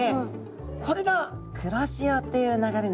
これが黒潮という流れなんですよね。